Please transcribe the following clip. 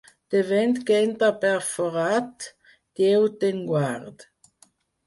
De vent que entra per forat, Déu te'n guard.